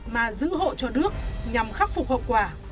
mà giữ hộ cho đước nhằm khắc phục hậu quả